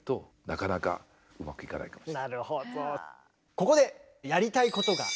ここでやりたいことがありまして。